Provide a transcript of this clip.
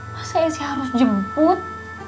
masa esi harus jemput